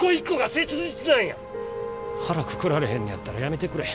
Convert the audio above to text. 腹くくられへんのやったら辞めてくれ。